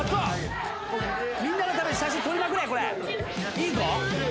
いいぞ。